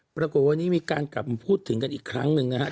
ปรากฏวันนี้มีการกลับมาพูดถึงกันอีกครั้งหนึ่งนะฮะ